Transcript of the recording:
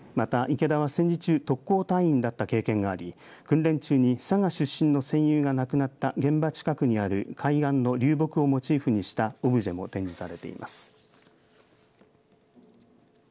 池田は戦時中特攻隊員だった経験があり訓練中に佐賀出身の戦友が亡くなった現場近くにある海岸の流木をモチーフにしたオブジェも展示されています。